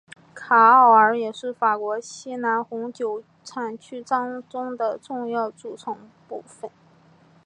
卡奥尔也是法国西南红酒产区当中的重要组成部分。